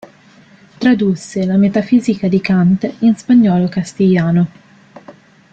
Tradusse la Metafisica di Kant in spagnolo castigliano.